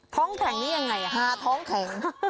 ท้องแข็งนี่ยังไงฮาท้องแข็ง